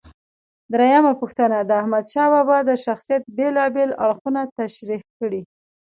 درېمه پوښتنه: د احمدشاه بابا د شخصیت بېلابېل اړخونه تشریح کړئ.